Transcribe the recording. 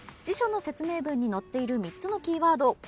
辞書の説明文に載っている３つのキーワード